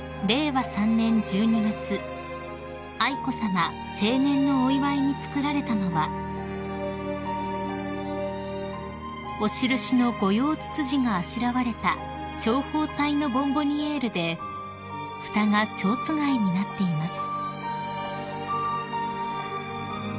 ［愛子さま成年のお祝いに作られたのはお印のゴヨウツツジがあしらわれた長方体のボンボニエールでふたがちょうつがいになっています］